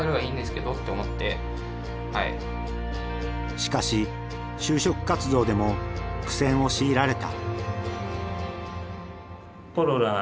しかし就職活動でも苦戦を強いられた。